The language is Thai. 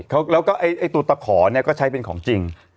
แล้วก็ไอ้ตัวตะขอเนี่ยก็ใช้เป็นของจริง